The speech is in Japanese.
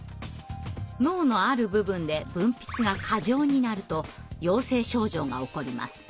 脳のある部分で分泌が過剰になると陽性症状が起こります。